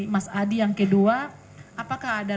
mas adi yang kedua apakah ada